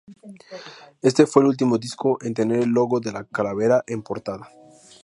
Este fue el último disco en tener el logo de la calavera en portada.